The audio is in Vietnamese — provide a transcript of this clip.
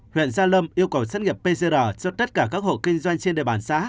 huyện gia lâm yêu cầu sát nghiệp pcr cho tất cả các hộ kinh doanh trên địa bàn xã